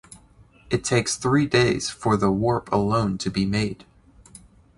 It takes three days for the warp alone to be made.